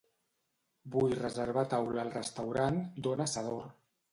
Vull reservar taula al restaurant Don Asador.